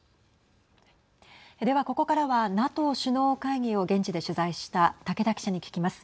では、ここからはＮＡＴＯ首脳会議を現地で取材した竹田記者に聞きます。